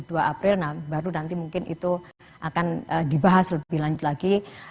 terus nanti mungkin itu akan dibahas lebih lanjut lagi